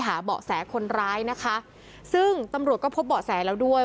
เบาะแสคนร้ายนะคะซึ่งตำรวจก็พบเบาะแสแล้วด้วย